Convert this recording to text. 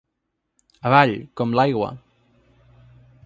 Avall, com l'aigua.